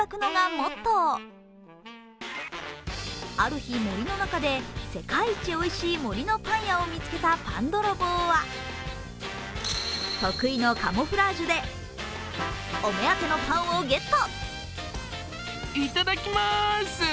ある日、森の中で世界一おいしい森のパン屋を見つけたパンどろぼうは得意のカモフラージュでお目当てのパンをゲット。